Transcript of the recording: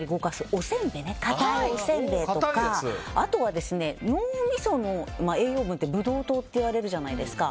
おせんべいとかあとは脳みその栄養分ってブドウ糖って言われるじゃないですか。